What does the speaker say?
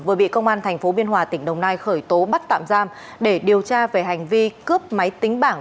vừa bị công an tp biên hòa tỉnh đồng nai khởi tố bắt tạm giam để điều tra về hành vi cướp máy tính bảng